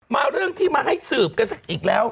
เรื่องที่มาให้สืบกันสักอีกแล้ว